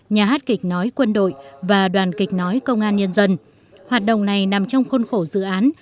nhà hát kịch nói quân đội và đoàn kịch nói công an nhân dân hoạt động này nằm trong khuôn khổ dự án